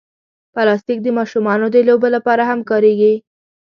پلاستيک د ماشومانو د لوبو لپاره هم کارېږي.